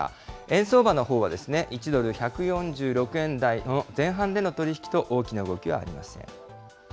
円相場のほうは、１ドル１４６円台の前半での取り引きと大きな動きはありません。